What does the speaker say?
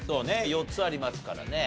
４つありますからね。